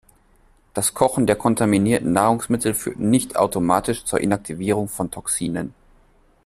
Das Kochen der kontaminierten Nahrungsmittel führt nicht automatisch zur Inaktivierung von Toxinen.